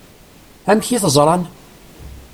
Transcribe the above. Amek i t-ẓṛan?